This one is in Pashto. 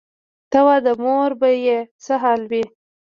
ته وا د مور به یې څه حال وي.